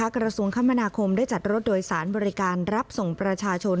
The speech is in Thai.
กระทรวงคมนาคมได้จัดรถโดยสารบริการรับส่งประชาชน